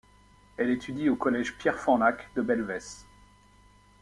Elle étudie au collège Pierre-Fanlac de Belvès.